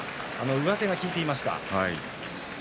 最後、上手が効いていました。